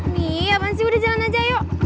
nih aman sih udah jalan aja yuk